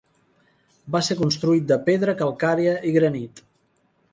Va ser construït de pedra calcària i granit.